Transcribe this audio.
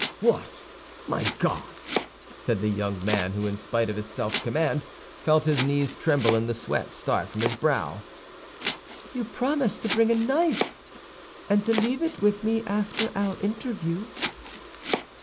"What, my God!" said the young man, who in spite of his self command felt his knees tremble and the sweat start from his brow. "You promised to bring a knife, and to leave it with me after our interview."